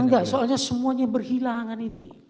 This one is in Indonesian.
enggak soalnya semuanya berhilangan itu